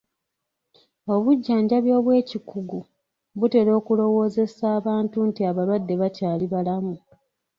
Obujjanjabi obw'ekikugu butera okulowoozesa abantu nti abalwadde bakyali balamu.